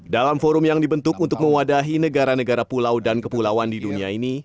dalam forum yang dibentuk untuk mewadahi negara negara pulau dan kepulauan di dunia ini